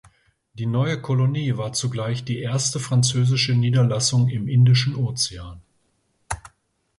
Die neue Kolonie war zugleich die erste französische Niederlassung im Indischen Ozean.